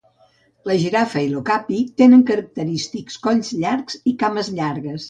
La girafa i l'ocapi tenen característics colls llargs i cames llargues.